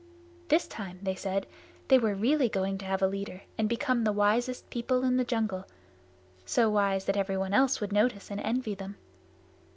This time, they said, they were really going to have a leader and become the wisest people in the jungle so wise that everyone else would notice and envy them.